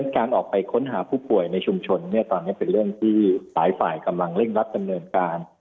การออกไปค้นหาผู้ป่วยในชุมชนตอนนี้เป็นเรื่องที่หลายฝ่ายกำลังเร่งรัดดำเนินการ